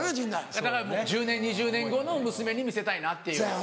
だからもう１０年２０年後の娘に見せたいなっていう。